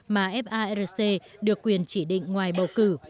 mà frc được quyền chỉ định ngoài bầu cử